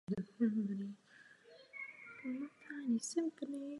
Byl propagátorem volné lásky a vegetariánství.